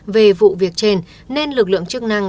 về vụ việc trên nên lực lượng chức năng